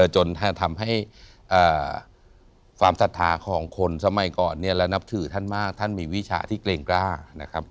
จนทำให้ความศรัทธาของคนสมัยก่อนเนี่ยเรานับถือท่านมากท่านมีวิชาที่เกรงกล้านะครับ